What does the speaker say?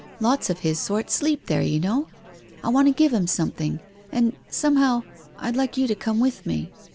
Lots of his sort sleep there, you know. I want to give him something. And — somehow — I'd like you to come with me.